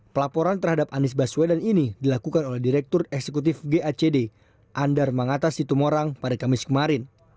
pelaporan terhadap anies baswedan ini dilakukan oleh direktur eksekutif gacd andar mangata situmorang pada kamis kemarin